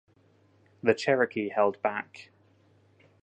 The Cherokee held back.